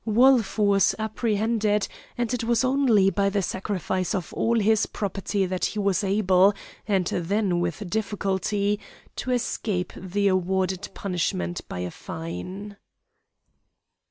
Wolf was apprehended, and it was only by the sacrifice of all his property, that he was able and then with difficulty to escape the awarded punishment by a fine.